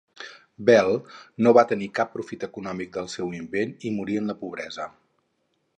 Bell no va tenir cap profit econòmic del seu invent i morí en la pobresa.